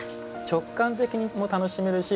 直感的にも楽しめるし